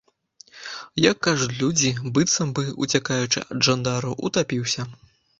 Як кажуць людзі, быццам бы, уцякаючы ад жандараў, утапіўся!